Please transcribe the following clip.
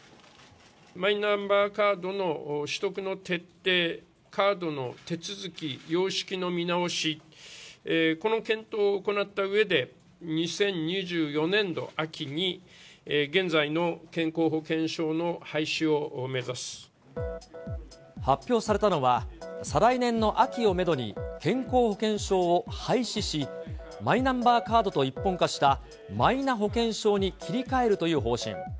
マイナンバーカードの取得の徹底、カードの手続き、様式の見直し、この検討を行ったうえで、２０２４年度秋に、発表されたのは、再来年の秋をメドに、健康保険証を廃止し、マイナンバーカードと一本化したマイナ保険証に切り替えるという方針。